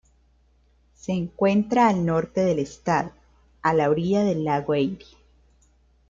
Se encuentra al norte del estado, a la orilla del lago Erie.